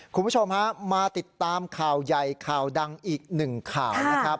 คุณผู้ชมฮะมาติดตามข่าวใหญ่ข่าวดังอีกหนึ่งข่าวนะครับ